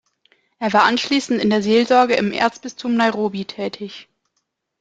Er war anschließend in der Seelsorge im Erzbistum Nairobi tätig.